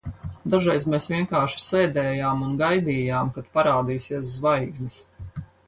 Dažreiz mēs vienkārši sēdējām un gaidījām, kad parādīsies zvaigznes.